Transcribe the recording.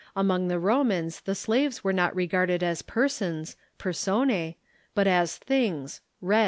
Among the Romans the slaves were not regarded as persons {jyersona), but as things {res).